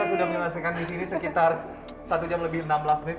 saya sudah menyelesaikan di sini sekitar satu jam lebih enam belas menit